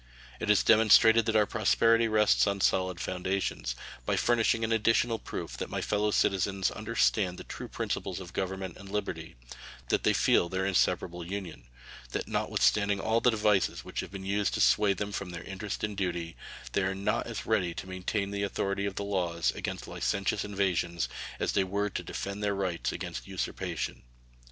It has demonstrated that our prosperity rests on solid foundations, by furnishing an additional proof that my fellow citizens understand the true principles of government and liberty; that they feel their inseparable union; that notwithstanding all the devices which have been used to sway them from their interest and duty, they are not as ready to maintain the authority of the laws against licentious invasions as they were to defend their rights against usurpation.